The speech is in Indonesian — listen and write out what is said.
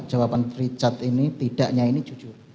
jawaban richard ini tidaknya ini jujur